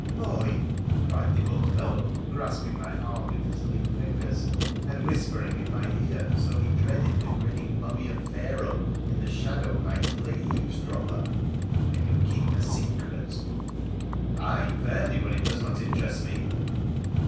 Boy !' cried the old fellow, grasping my arm with his lean fingers, and whispering in my ear as though he dreaded the grinning mummy of Pharaoh in the shadow might play eavesdropper, 4 can you keep a secret ?'' Ay ! fairly, when it does not interest me.'